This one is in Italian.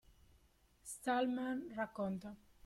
Stallman racconta.